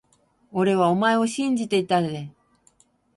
俺はお前を信じていたぜ…